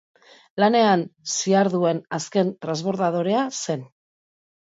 Lanean ziharduen azken transbordadorea zen.